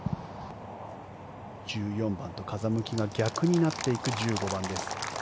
１４番と風向きが逆になっていく１５番です。